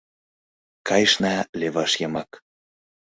Кайышна леваш йымак.